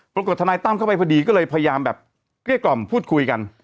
ทนายตั้มเข้าไปพอดีก็เลยพยายามแบบเกลี้ยกล่อมพูดคุยกัน